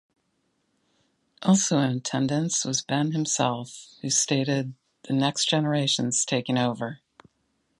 Also in attendance was Ben himself, who stated, The next generation's taking over.